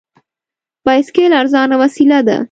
بایسکل ارزانه وسیله ده.